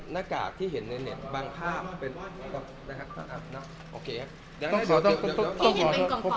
น้ากากที่เห็นในเน็ตบางภาพ